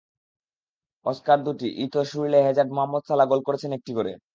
Oscar দুটি, Eto'o, Schurrle, Hazard, Mohammad সালাহ গোল করেছেন একটি করে।